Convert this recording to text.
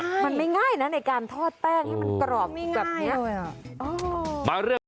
ใช่มันไม่ง่ายนะในการทอดอุ๋มันกรอบไม่ง่ายเลยอ่ะอ๋อ